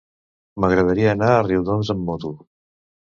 M'agradaria anar a Riudoms amb moto.